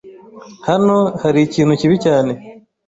Hano hari ikintu kibi cyane.